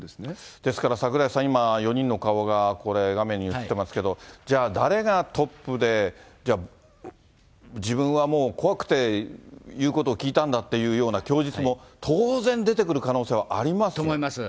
ですから櫻井さん、今、４人の顔が画面に映ってますけど、じゃあ、誰がトップで、自分はもう怖くて言うことを聞いたんだっていうような供述も当然と思います。